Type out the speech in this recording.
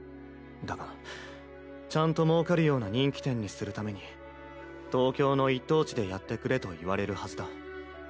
だがちゃんともうかるような人気店にするために東京の一等地でやってくれと言われるはずだ。